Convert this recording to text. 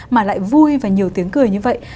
mà lại vui và nhiều tiếng cười như vậy